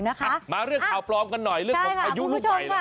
มาเรื่องข่าวปลอมกันหน่อยเรื่องของพายุลูกใหม่เลย